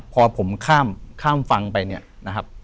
พอผมข้ามฝั่งไปเนี่ยนะครับ